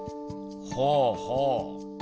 ほうほう。